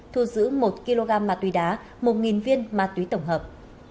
thu giữ một kg ma túy đá một viên ma túy tổng hợp